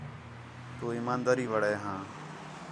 تو ایمانداری وݙے ھاں